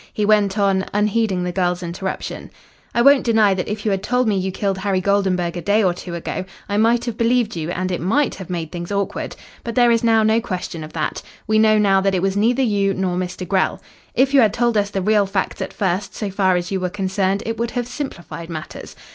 He went on, unheeding the girl's interruption. "I won't deny that if you had told me you killed Harry Goldenburg a day or two ago, I might have believed you, and it might have made things awkward. But there is now no question of that. We know now that it was neither you nor Mr. Grell. If you had told us the real facts at first so far as you were concerned, it would have simplified matters.